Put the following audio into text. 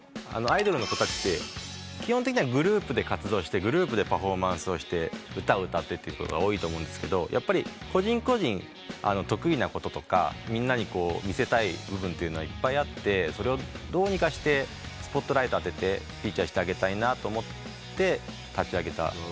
アイドルの子たちって基本的にはグループで活動してグループでパフォーマンスをして歌を歌ってってことが多いと思うんですけどやっぱり個人個人得意なこととかみんなに見せたい部分っていっぱいあってそれをどうにかしてスポットライト当ててフィーチャーしてあげたいと思って立ち上げた企画です。